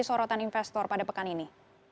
jadi sorotan investor pada pekan ini